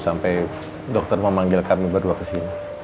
sampai dokter mau manggil kami berdua kesini